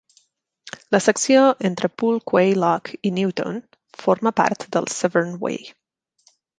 La secció entre Pool Quay Lock i Newtown forma part del Severn Way.